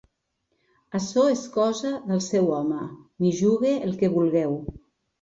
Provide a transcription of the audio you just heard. Açò és cosa del seu home, m’hi jugue el que vulgueu.